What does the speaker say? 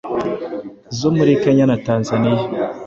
zo muri Kenya na Tanzania,